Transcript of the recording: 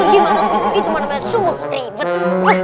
gimana sob itu mana mana sungguh ribet